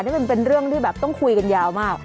นี่มันเป็นเรื่องที่แบบต้องคุยกันยาวมาก